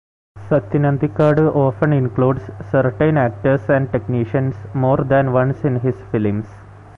Sathyan Anthikad often includes certain actors and technicians more than once in his films.